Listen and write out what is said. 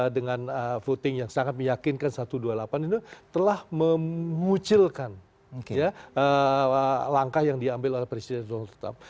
dengan voting yang sangat meyakinkan satu ratus dua puluh delapan itu telah memucilkan langkah yang diambil oleh presiden donald trump